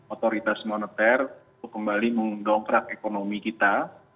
otoritas moneter untuk kembali mendongkrak ekonomi kita